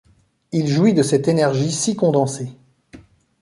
Il jouit de cette énergie si condensée.